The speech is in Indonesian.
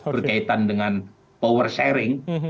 berkaitan dengan power sharing